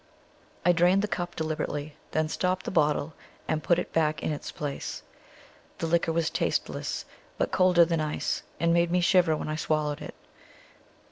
I drained the cup deliberately, then stopped the bottle and put it back in its place. The liquor was tasteless, but colder than ice, and made me shiver when I swallowed it.